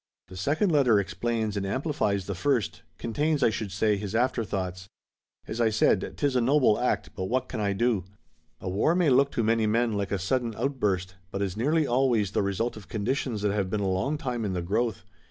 "The second letter explains and amplifies the first, contains, I should say, his afterthoughts. As I said, 'tis a noble act, but what can I do? A war may look to many men like a sudden outburst, but it is nearly always the result of conditions that have been a long time in the growth.